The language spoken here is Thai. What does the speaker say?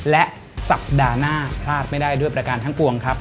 และสัปดาห์หน้าพลาดไม่ได้ด้วยประการทั้งปวงครับ